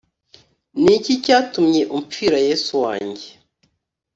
Niki cyatumye umpfira yesu wanjye